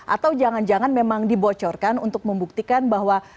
atau jangan jangan memang dibocorkan untuk membuktikan bahwa